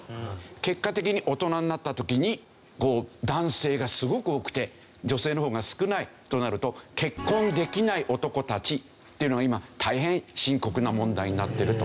結果的に大人になった時に男性がすごく多くて女性の方が少ないとなると結婚できない男たちっていうのが今大変深刻な問題になってると。